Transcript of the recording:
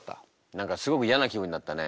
何かすごくいやな気分になったね。